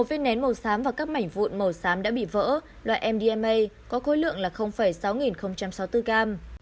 một viên nén màu xám và các mảnh vụn màu xám đã bị vỡ loại mdma có khối lượng là sáu sáu mươi bốn g